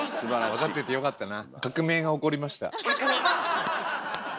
分かっててよかったな。